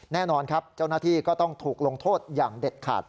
แน่นอนครับเจ้าหน้าที่ก็ต้องถูกลงโทษอย่างเด็ดขาด